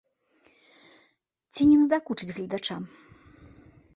Ці не надакучыць гледачам?